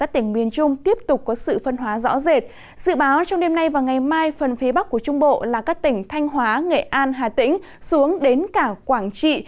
dự báo trong đêm nay và ngày mai phần phía bắc của trung bộ là các tỉnh thanh hóa nghệ an hà tĩnh xuống đến cả quảng trị